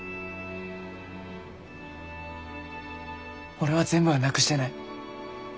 俺は全部はなくしてない。